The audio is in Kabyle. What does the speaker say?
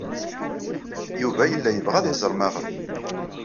Yuba yella yebɣa ad iẓer maɣef.